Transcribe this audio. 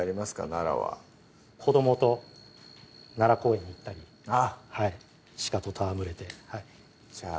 奈良は子どもと奈良公園に行ったりあっ鹿と戯れてじゃあ